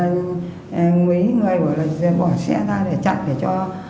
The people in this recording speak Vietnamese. mấy người bỏ xe ra để chặn để cho